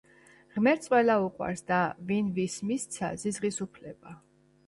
ღმერთს ყველა უყვარს და ვინ ვის მისცა ზიზღის უფლება.